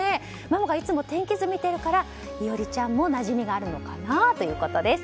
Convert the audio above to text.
ママがいつも天気図を見てるから衣織ちゃんもなじみがあるのかなということです。